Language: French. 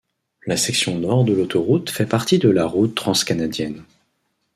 La section nord de l'autoroute fait partie de la route transcanadienne.